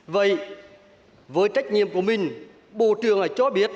vậy với trách nhiệm của mình bộ trưởng lại cho biết